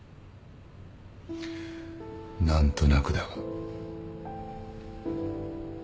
何となくだが。